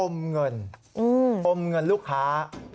เงินอมเงินลูกค้า